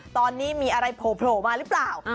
ตอนนี้มีอะไรโผล่มาหรือเปล่า